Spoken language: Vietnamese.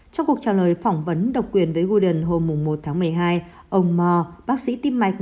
trong cuộc trả lời phỏng vấn độc quyền với gooden hôm một một mươi hai ông meyer bác sĩ tìm mạch